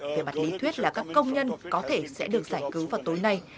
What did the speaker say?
về mặt lý thuyết là các công nhân có thể sẽ được giải cứu vào tối nay